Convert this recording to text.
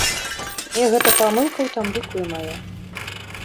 І гэта памылка ў тым ліку і мая.